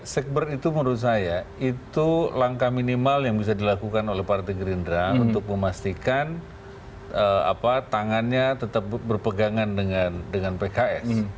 segber itu menurut saya itu langkah minimal yang bisa dilakukan oleh partai gerindra untuk memastikan tangannya tetap berpegangan dengan pks